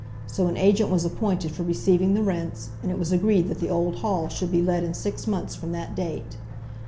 So an agent was appointed for receiving the rents, and it was agreed that the old Hall should be let in six months from that date.